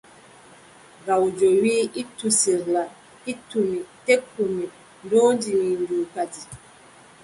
Gawjo wii, ittu sirla ittu mi, tekku mi ndoodi mi ndu kadi.